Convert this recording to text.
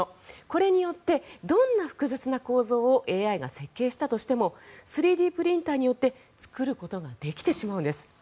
これによってどんな複雑な構造をＡＩが設計したとしても３Ｄプリンターによって作ることができてしまうんです。